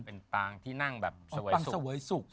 เป็นปางที่นั่งแบบสวยสุข